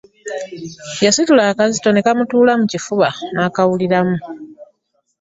Yasitula akazito ne kamutuula mu kifuba nakawulilamu.